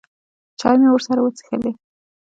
چای مې ورسره وڅښلې.